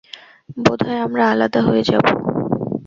বোধহয় আমরা আলাদা হয়ে যাবো।